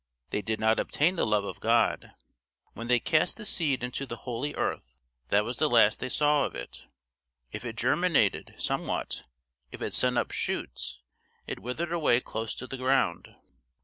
They did not obtain the love of God. When they cast the seed into the holy earth, that was the last they saw of it; if it germinated somewhat, if it sent up shoots, it withered away close to the ground.